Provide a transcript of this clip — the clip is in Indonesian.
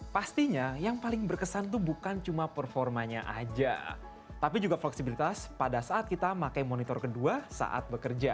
pastinya yang paling berkesan itu bukan cuma performanya aja tapi juga fleksibilitas pada saat kita pakai monitor kedua saat bekerja